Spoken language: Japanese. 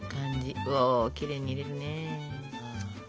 おきれいに入れるね。